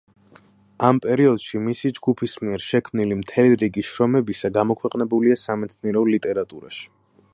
ამ პერიოდში მისი ჯგუფის მიერ შექმნილი მთელი რიგი შრომებისა გამოქვეყნებულია სამეცნიერო ლიტერატურაში.